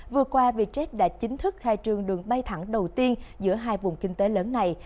vừa qua vietjet đã chính thức khai trương đường bay thẳng đầu tiên giữa hai vùng kinh tế lớn này